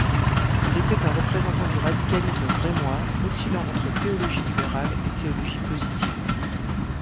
Il était un représentant du radicalisme brêmois, oscillant entre théologie libérale et théologie positive.